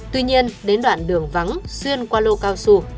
tuy nhiên đến đoạn đường vắng xuyên qua lô cao su